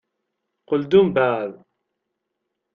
Qqel-d umbeεd.